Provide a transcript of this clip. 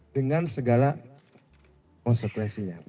dengan segala konsekuensinya